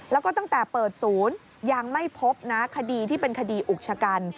แล้วก็ตั้งแต่เปิดศูนย์ยังไม่พบนะคดีที่เป็นคดีอุกชะกัน